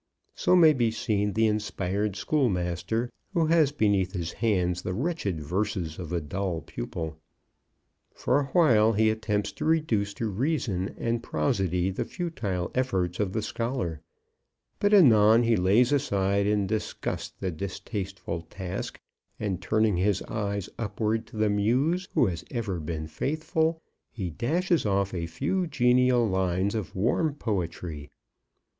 So may be seen the inspired schoolmaster who has beneath his hands the wretched verses of a dull pupil. For awhile he attempts to reduce to reason and prosody the futile efforts of the scholar, but anon he lays aside in disgust the distasteful task, and turning his eyes upwards to the Muse who has ever been faithful, he dashes off a few genial lines of warm poetry.